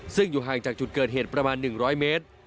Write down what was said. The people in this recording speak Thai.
ซึ่งอยู่ห่างจากจุดเกิดเหตุประมาณ๑๐๐เมตร